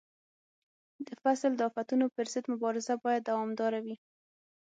د فصل د آفتونو پر ضد مبارزه باید دوامداره وي.